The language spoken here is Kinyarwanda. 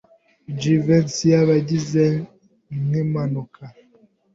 Jivency yabigize nkimpanuka.